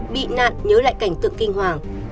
bị nạn nhớ lại cảnh tượng kinh hoàng